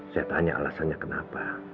saya tanya alasannya kenapa